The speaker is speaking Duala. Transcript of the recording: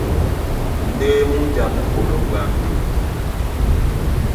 Ndé múnja mú koló ɓwambí.